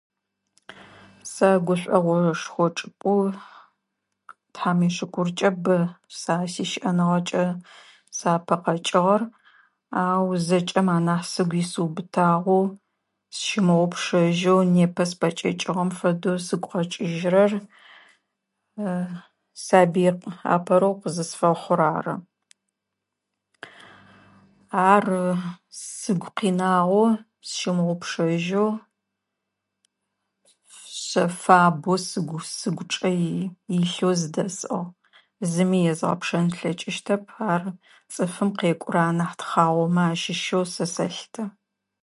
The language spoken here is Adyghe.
Сэ гушӏуэгъошхуэ чӏыпӏэу Тхьам ишыкуркӏэ бэ са сищыӏэныгъэкӏэ сапэ къэкӏыгъэр, ау зэкӏэм анахь сыгу исыубытагъэу сщымыгъупшэжьэу, непэ спэкӏэкӏыгъэм фэдэу сыгу къэкӏыжьрэр сабыи апэрэу къызысфэхъур рары. Ар сыгу къинагъо сщымыгъупшэжьэу шъэфабэу сыгу сыгучӏэ илъэу здэсӏыгъ. Зыми езгъэпшэн слъэкӏыщтэп, ар цӏыфым къекӏурэ анахь тхъагъуэмэ ащыщэу сэ сэлъытэ.